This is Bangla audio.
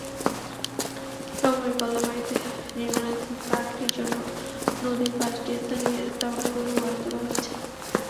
নগরের গল্লামারীতে নির্মাণাধীন পার্কটির জন্য নদীর পাঁচটি স্থানে স্থাপনাগুলো গড়ে তোলা হচ্ছে।